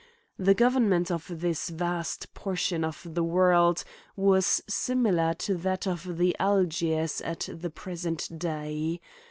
The govcnment of this vast portion of the world was similar to that of Algiers at the present day.